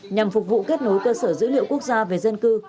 nhằm phục vụ kết nối cơ sở dữ liệu quốc gia về dân cư